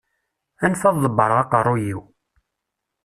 Anef ad ḍebbreɣ aqerru-iw.